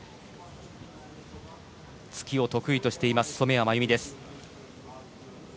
突きを得意としています染谷真有美です。